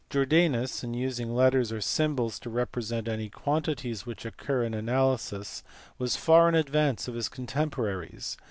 Jordan us in using letters or symbols to represent any quantities which occur in analysis was far in advance of his contemporaries.